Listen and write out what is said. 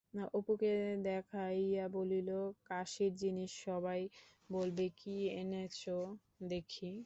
অপুকে দেখাইয়া বলিল, কাশীর জিনিস, সবাই বলবে কি এনেচ দেখি!